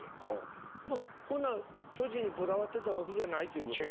ほな巨人にこだわってたわけじゃないということですね。